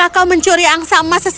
apakah kau mencuri angsa emas seseorang